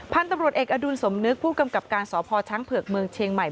พันธุ์ตำรวจเอกอดุลสมนึกผู้กำกับการสพช้างเผือกเมืองเชียงใหม่